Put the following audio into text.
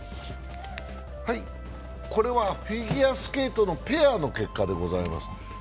これはフィギュアスケートのペアの結果でございます。